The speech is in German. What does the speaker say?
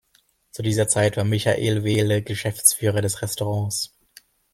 Zu dieser Zeit war Michael Wehle Geschäftsführer des Restaurants.